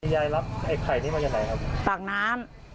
ยายรับไข่นี้วันไงครับกับปากน้ำ